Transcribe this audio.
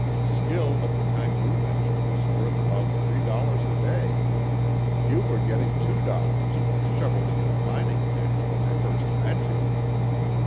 "Skill of the kind you mentioned is worth about three dollars a day." "You were getting two dollars for shovelling in a mining ditch, when I first met you."